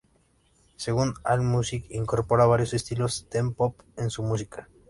Según Allmusic, incorpora varios estilos "teen pop" en su música.